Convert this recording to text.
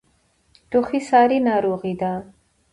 ټوخی ساری ناروغۍ ده.